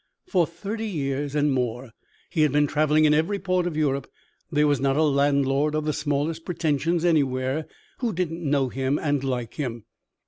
For thirty years and more, he had been traveling in every part of Europe; there was not a landlord of the smallest pretensions anywhere who didn't know him and like him.